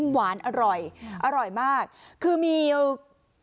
หืมหวานอร่อยอร่อยมากคือมีอืม